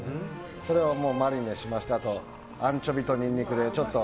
それをマリネしましてアンチョビとニンニクでちょっと。